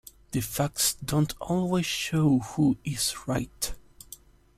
The facts don't always show who is right.